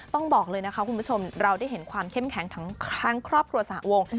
ต้องบอกเลยนะคะคุณผู้ชมเราได้เห็นความเข้มแข็งทั้งครอบครัวสหวง